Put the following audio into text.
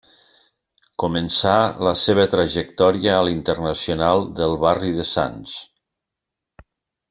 Començà la seva trajectòria a l'Internacional del barri de Sants.